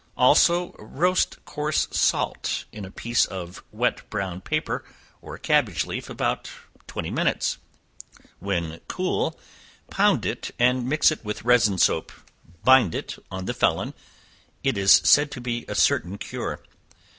Also, roast coarse salt in a piece of wet brown paper, or a cabbage leaf, about twenty minutes; when cool, pound it and mix it with resin soap; bind it on the felon; it is said to be a certain cure.